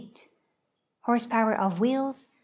Horse power of wheels.